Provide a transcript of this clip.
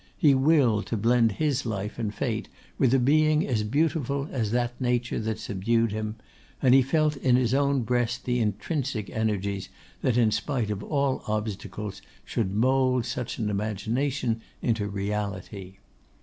He willed to blend his life and fate with a being beautiful as that nature that subdued him, and he felt in his own breast the intrinsic energies that in spite of all obstacles should mould such an imagination into reality.